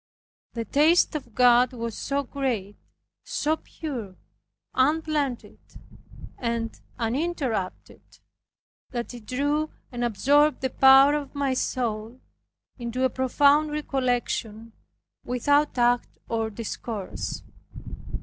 The taste of God was so great, so pure, unblended and uninterrupted, that it drew and absorbed the power of my soul into a profound recollection without act or discourse.